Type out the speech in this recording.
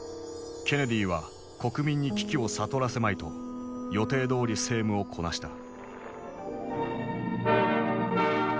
ケネディは国民に危機を悟らせまいと予定どおり政務をこなした。